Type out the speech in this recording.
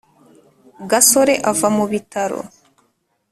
gasore ava mu bitaro